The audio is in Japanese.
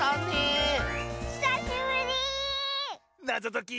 なぞとき。